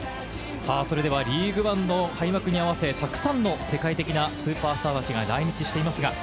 リーグワンの開幕に合わせ、たくさんの世界的なスーパースターたちが来日しています。